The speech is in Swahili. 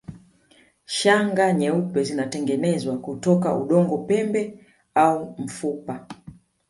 Shanga nyeupe zilitengenezwa kutoka udongo pembe au mfupa